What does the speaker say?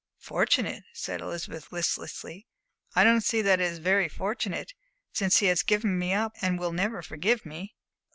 "Fortunate?" said Elizabeth, listlessly. "I don't see that it is very fortunate, since he has given me up and will never forgive me."